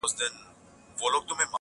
نو خامخا به غرور ټوکوي